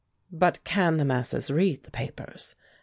"But can the masses read the papers?"